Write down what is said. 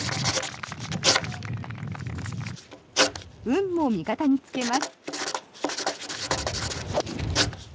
運も味方につけます。